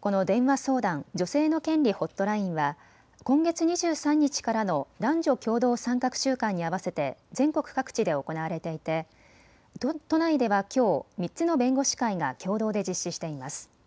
この電話相談女性の権利ホットラインは今月２３日からの男女共同参画週間に合わせて全国各地で行われていて、都内ではきょう３つの弁護士会が共同で実施しています。